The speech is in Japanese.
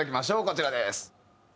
こちらです。